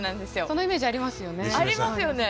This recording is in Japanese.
そのイメージありますよね。